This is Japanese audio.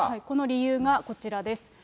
この理由が、こちらです。